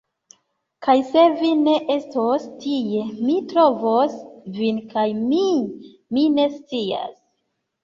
Kaj se vi ne estos tie, mi trovos vin kaj mi… mi ne scias.